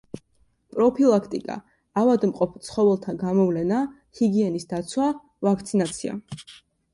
პროფილაქტიკა: ავადმყოფ ცხოველთა გამოვლენა, ჰიგიენის დაცვა, ვაქცინაცია.